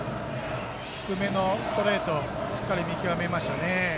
低めのストレートしっかり見極めましたね。